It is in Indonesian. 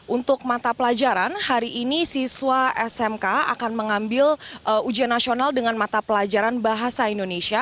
untuk mata pelajaran hari ini siswa smk akan mengambil ujian nasional dengan mata pelajaran bahasa indonesia